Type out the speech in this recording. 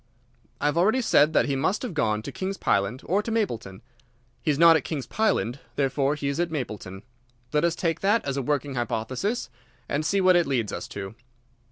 "I have already said that he must have gone to King's Pyland or to Mapleton. He is not at King's Pyland. Therefore he is at Mapleton. Let us take that as a working hypothesis and see what it leads us to.